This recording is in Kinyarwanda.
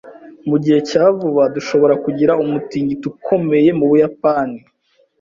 Mu gihe cya vuba, dushobora kugira umutingito ukomeye mu Buyapani.